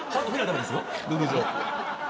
ルール上。